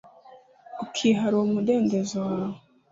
ukihara uwo umudendezo wawe